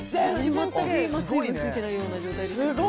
全くついてないような状態で。